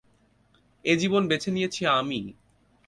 এ জীবন বেছে নিয়েছি আমি।